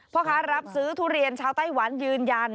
พ่อค้ารับซื้อทุเรียนชาวไต้หวันยืนยัน